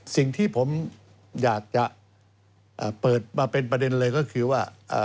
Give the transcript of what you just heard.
สิ่งที่ผมอยากจะเปิดมาเป็นประเด็นเลยก็คือว่า